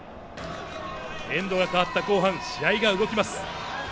エンドが変わった後半試合が動きます。